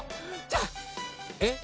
じゃあえっ